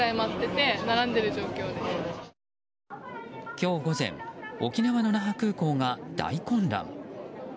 今日午前沖縄の那覇空港が大混乱。